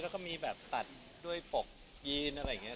แล้วก็มีแบบตัดด้วยปกยีนอะไรอย่างนี้